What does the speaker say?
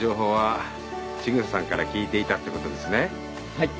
はい。